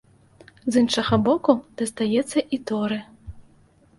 З іншага боку, дастаецца і торы.